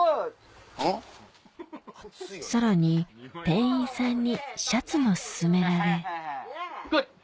さらに店員さんにシャツも薦められＯＫ。